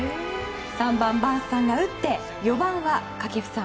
３番バースさんが打って４番は掛布さん。